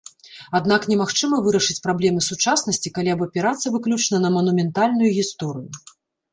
Аднак немагчыма вырашыць праблемы сучаснасці, калі абапірацца выключна на манументальную гісторыю.